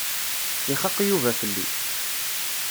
Ixaq Yuba fell-i.